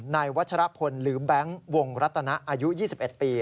วัชรพลหรือแบงค์วงรัตนะอายุ๒๑ปี